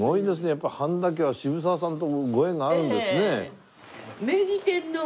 やっぱ繁田家は渋沢さんとご縁があるんですねえ。